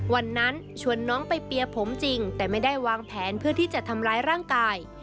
วันนั้นชวนน้องไปเปียร์ผมจริงแต่ไม่ได้วางแผนเพื่อที่จะทำร้ายร่างกาย